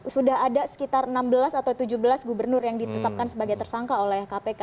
sudah ada sekitar enam belas atau tujuh belas gubernur yang ditetapkan sebagai tersangka oleh kpk